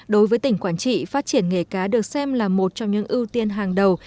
đối với tỉnh quảng trị phát triển nghề cá được xem là một trong những ưu tiên hàng đầu